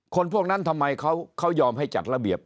คนพวกนั้นทำไมเขายอมให้จัดระเบียบ